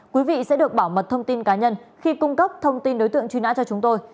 quý vị sẽ được bảo mật thông tin cá nhân khi cung cấp thông tin đối tượng truy nã cho chúng tôi